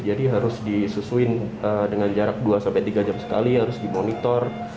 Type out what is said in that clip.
jadi harus disusuin dengan jarak dua sampai tiga jam sekali harus dimonitor